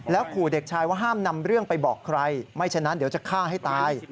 ขู่เด็กชายว่าห้ามนำเรื่องไปบอกใครไม่ฉะนั้นเดี๋ยวจะฆ่าให้ตาย